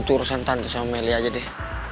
itu urusan tante sama meli aja deh